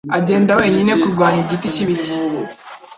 Agenda wenyine kurwanya igiti cy'ibiti;